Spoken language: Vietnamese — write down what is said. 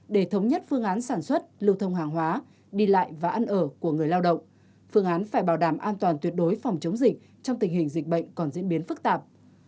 để thống nhất phương án sản xuất lưu thông hàng hóa đi lại và ăn ở của người lao động phương án phải bảo đảm an toàn tuyệt đối phòng chống dịch trong tình hình dịch bệnh còn diễn biến phức tạp